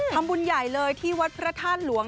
ทำบุญใหญ่เลยที่วัดพระธาตุหลวง